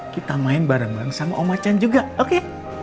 kita main bareng bareng sama omacan juga oke